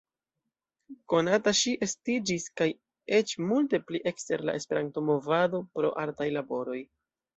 Konata ŝi estiĝis en kaj eĉ multe pli ekster la Esperanto-movado pro artaj laboroj.